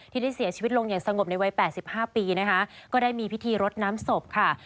ที่ได้เสียชีวิตลงอย่างสงบในวัย๘๕ปีนะคะก็ได้มีพิธีรดน้ำศพค่ะ